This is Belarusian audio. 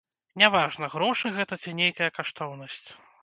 Няважна, грошы гэта ці нейкая каштоўнасць.